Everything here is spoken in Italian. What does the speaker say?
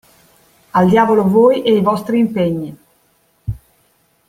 Al diavolo voi e i vostri impegni!